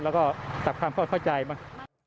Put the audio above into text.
แล้วก็ตัดคำขอโทษใจมา